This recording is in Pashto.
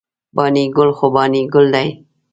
بانی ګل خو بانی ګل داي